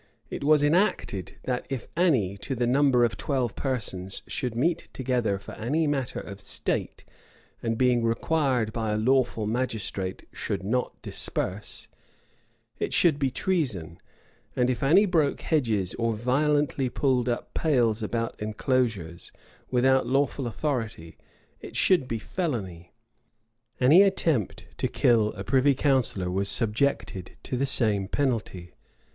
[*] It was enacted, that if any, to the number of twelve persons, should meet together for any matter of state, and being required by a lawful magistrate, should not disperse, it should be treason; and if any broke hedges, or violently pulled up pales about enclosures, without lawful authority, it should be felony: any attempt to kill a privy counsellor was subjected to the same penalty.